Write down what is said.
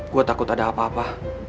gue takut ada apa apa